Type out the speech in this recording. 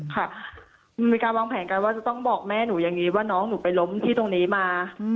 ค่ะมีการวางแผนกันว่าจะต้องบอกแม่หนูอย่างนี้ว่าน้องหนูไปล้มที่ตรงนี้มา